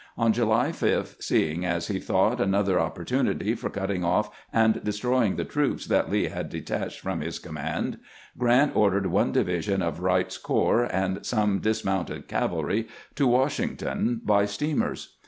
On July 5, seeing, as he thought, another opportunity for cut ting off and destroying the troops that Lee had detached from his command, Grant ordered one division of Wright's corps and some dismounted cavalry to Wash ington by steamers.